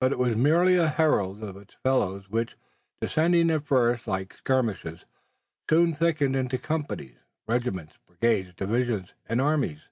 But it was merely a herald of its fellows which, descending at first like skirmishers, soon thickened into companies, regiments, brigades, divisions and armies.